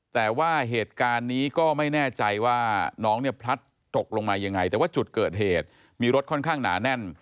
แต่ว่าเหตุการณ์นี้ก็ไม่แน่ใจว่าน้องเนี่ยพลัดตกลงมายังไงแต่ว่าจุดเกิดเหตุมีรถค่อนข้างหนาแน่น